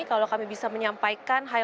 kalau kami bisa menyampaikan